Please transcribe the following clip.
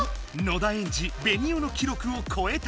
野田エンジベニオの記録をこえたものの。